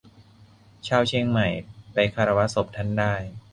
ชาวเชียงใหม่ไปคารวะศพท่านได้